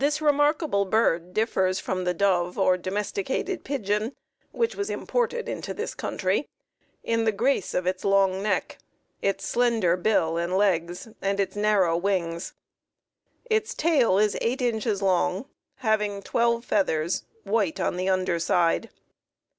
This remarkable bird differs from the dove or domesticated pigeon, which was imported into this country, in the grace of its long neck, its slender bill and legs, and its narrow wings. Its tail is eight inches long, having twelve feathers, white on the under side.